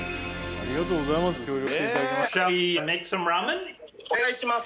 ありがとうございます。